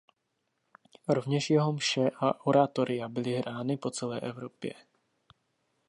Rovněž jeho mše a oratoria byly hrány po celé Evropě.